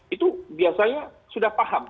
itu biasanya sudah paham